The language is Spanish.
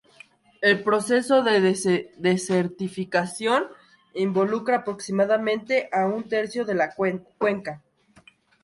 El proceso de desertificación involucra aproximadamente a un tercio de la cuenca.